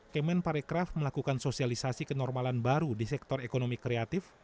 kemen parekraf melakukan sosialisasi kenormalan baru di sektor ekonomi kreatif